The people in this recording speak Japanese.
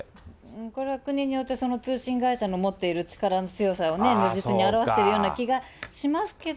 これは国によって通信会社の持っている力の強さを如実に表しているような気がしますけど。